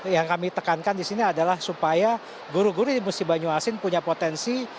yang kami tekankan di sini adalah supaya guru guru di musi banyu asin punya potensi